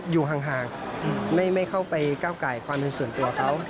อยู่ห่างไม่เข้าไปก้าวไก่ความเป็นส่วนตัวเขา